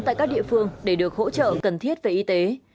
tại các địa phương để được hỗ trợ cần thiết về y tế